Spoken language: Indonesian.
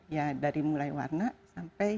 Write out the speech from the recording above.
ya dari mulai warna sampai